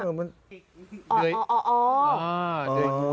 เดยงงูเดยงงู